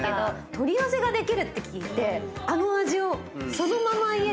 取り寄せができるって聞いて。